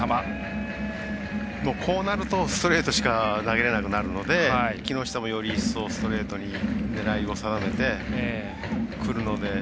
こうなるとストレートしか投げれなくなるので木下も、より一層ストレートに狙いを定めてくるので。